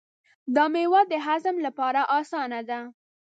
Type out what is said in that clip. دا مېوه د هضم لپاره اسانه ده.